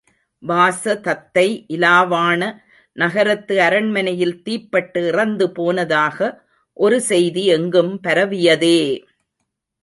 வாசதத்தை இலாவாண நகரத்து அரண்மனையில் தீப்பட்டு இறந்து போனதாக ஒரு செய்தி எங்கும் பரவியதே!